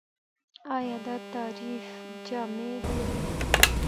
ايا دا تعريف جامع دی؟